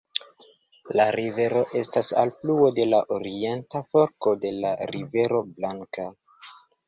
La rivero estas alfluo de la orienta forko de la Rivero Blanka.